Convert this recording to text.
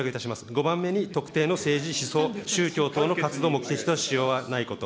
５番目に、特定の政治、思想、宗教等の活動を目的とした使用はないこと。